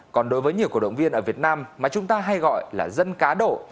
còn đối với nhiều cổ động viên ở việt nam mà chúng ta hay gọi là dân cá độ